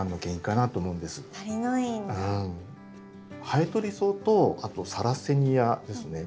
ハエトリソウとあとサラセニアですね